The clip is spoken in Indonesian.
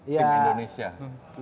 yang diraih tim indonesia